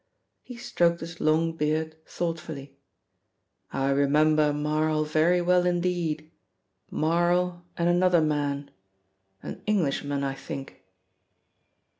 He stroked his long beard thoughtfully. "I remember Marl very well indeed Marl and another man, an Englishman, I think."